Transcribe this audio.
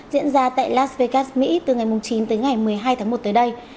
diễn ra tại las vegas mỹ từ ngày chín tới ngày một mươi hai tháng một tới đây